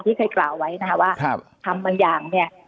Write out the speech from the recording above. เคยกล่าวไว้นะคะว่าทำบางอย่างเนี่ย